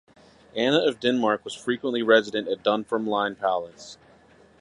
Anna of Denmark was frequently resident at Dunfermline Palace.